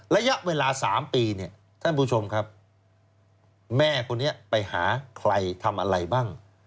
ระยะเวลา๓ปีเนี่ยท่านผู้ชมครับแม่คนนี้ไปหาใครทำอะไรบ้าง